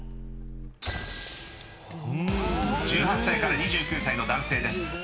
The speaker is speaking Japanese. ［１８歳から２９歳の男性です］